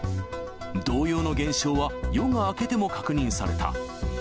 同様の現象は夜が明けても確認された。